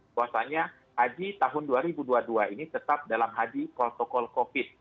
bahwasanya haji tahun dua ribu dua puluh dua ini tetap dalam haji protokol covid